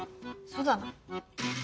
そうだな。